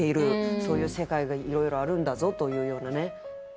そういう世界がいろいろあるんだぞというようなね。